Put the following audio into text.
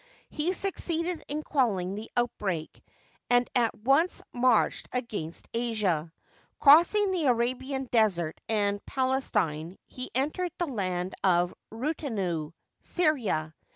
He succeeded in quelling the outbreak, and at once marched against Asia. Crossing the Arabian Desert and Palestine, he entered the land of Rutenu (Syria).